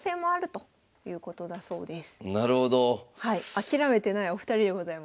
諦めてないお二人でございます。